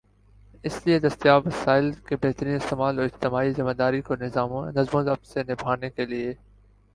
اس لئے دستیاب وسائل کے بہترین استعمال اور اجتماعی ذمہ داری کو نظم و ضبط سے نبھانے کے لئے